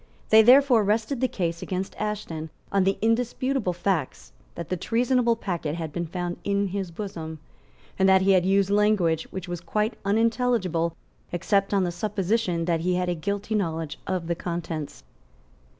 They therefore rested the case against Ashton on the indisputable facts that the treasonable packet had been found in his bosom, and that he had used language which was quite unintelligible except on the supposition that he had a guilty knowledge of the contents.